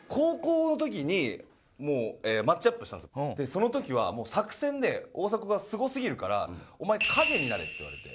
その時は作戦で大迫がすごすぎるから「お前影になれ」って言われて。